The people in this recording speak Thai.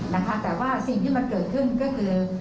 นะคะแต่ว่าสิ่งที่มันเกิดขึ้นก็คือ